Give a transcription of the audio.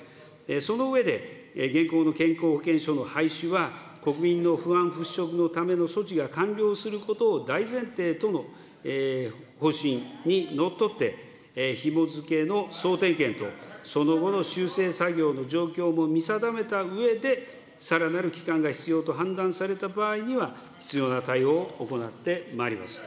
その上で、現行の健康保険証の廃止は国民不安払拭のための措置が完了することを大前提との方針にのっとって、ひも付けの総点検と、その後の修正作業の状況も見定めたうえで、さらなる期間が必要と判断された場合には、必要な対応を行ってまいります。